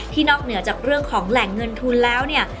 นอกเหนือจากเรื่องของแหล่งเงินทุนแล้วเนี่ย